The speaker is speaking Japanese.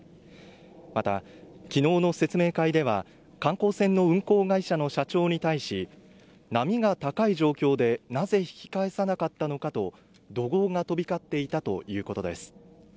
また昨日の説明会では観光船の運航会社の社長に対し波が高い状況でなぜ引き返さなかったのかと怒号が飛び交っていたということです